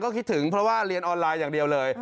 ก็คิดถึงเพราะว่าเรียนออนไลน์อย่างเดียวเลย